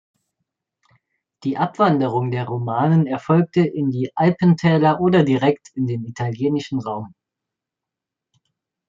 Die Abwanderung der Romanen erfolgte in die Alpentäler oder direkt in den italienischen Raum.